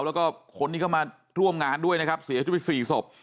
แล้วก็คนที่เข้ามาร่วมงานด้วยนะครับเสียชีวิตไป๔ศพ